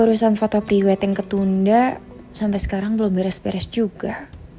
urusan foto pre wed yang ketunda sampai sekarang belum beres beres juga